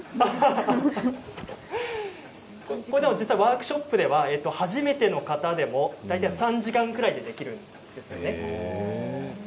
実際にワークショップでは初めての方でも３時間ぐらいでできるそうです。